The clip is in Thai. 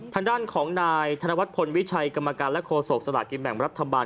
ทางด้านของนายธนวัฒนพลวิชัยกรรมการและโฆษกสลากินแบ่งรัฐบาล